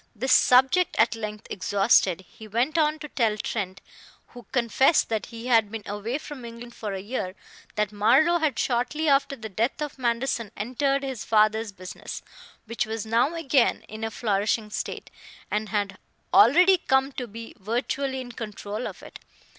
This subject at length exhausted, he went on to tell Trent, who confessed that he had been away from England for a year, that Marlowe had shortly after the death of Manderson entered his father's business, which was now again in a flourishing state, and had already come to be virtually in control of it.